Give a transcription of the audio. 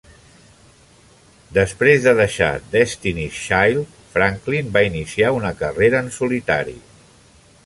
Després de deixar Destiny's Child, Franklin va iniciar una carrera en solitari.